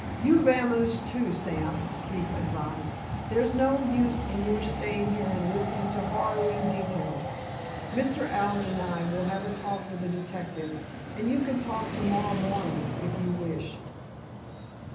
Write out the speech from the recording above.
"You vamoose, too, Sam," Keefe advised. "There's no use in your staying here and listening to harrowing details. Mr. Allen and I will have a talk with the detectives, and you can talk to morrow morning, if you wish."